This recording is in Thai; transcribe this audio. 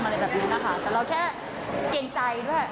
อะไรแบบนี้นะคะแต่เราแค่เกรงใจด้วย